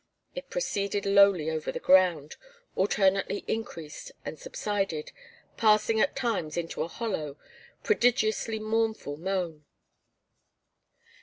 It proceeded lowly over the ground, alternately increased and subsided, passing at times into a hollow, prodigiously mournful moan.